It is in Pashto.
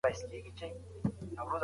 کله به حکومت ثبات په رسمي ډول وڅیړي؟